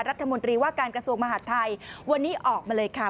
รัฐมนตรีว่าการกระทรวงมหาดไทยวันนี้ออกมาเลยค่ะ